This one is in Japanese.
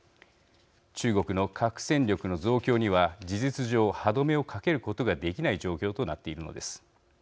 中国の核戦力の増強には事実上、歯止めをかけることができない状況となっているのです。